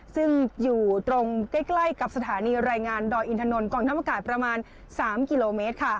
ซึ่งอยู่ตรงใกล้กับสถานีรายงานดอยอินทนนกองทัพอากาศประมาณ๓กิโลเมตร